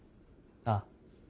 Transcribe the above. ああ。